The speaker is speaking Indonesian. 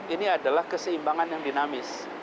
ini adalah keseimbangan yang dinamis